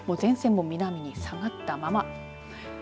前線も南に下がったまま。